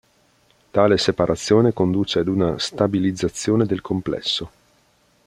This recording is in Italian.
Tale separazione conduce ad una stabilizzazione del complesso.